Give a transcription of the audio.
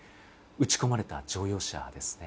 撃ち込まれた乗用車ですね。